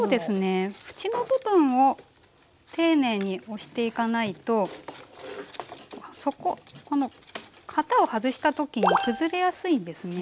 縁の部分を丁寧に押していかないとこの型を外したときに崩れやすいんですね。